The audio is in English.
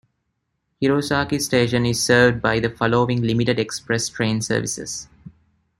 Hirosaki Station is served by the following limited express train services.